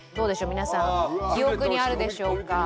皆さん記憶にあるでしょうか？